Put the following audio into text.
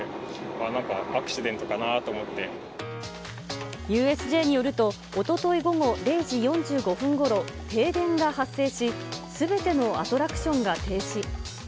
なんかアクシデントかＵＳＪによると、おととい午後０時４５分ごろ、停電が発生し、すべてのアトラクションが停止。